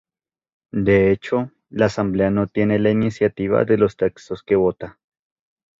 De hecho, la asamblea no tiene la iniciativa de los textos que vota.